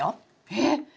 えっ！